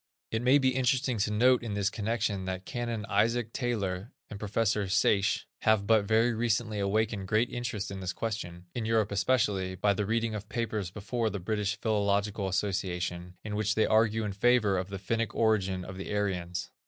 It may be interesting to note in this connection that Canon Isaac Taylor, and Professor Sayce have but very recently awakened great interest in this question, in Europe especially, by the reading of papers before the British Philological Association, in which they argue in favor of the Finnic origin of the Aryans.